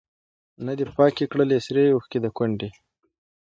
نه دي پاکي کړلې سرې اوښکي د کونډي